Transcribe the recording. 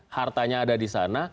hartanya ada di sana